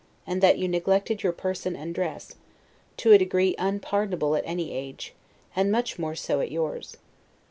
and that you neglected your person and dress, to a degree unpardonable at any age, and much more so at yours.